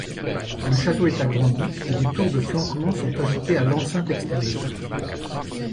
Le château est agrandi, des tours de flanquement sont ajoutées à l'enceinte extérieure.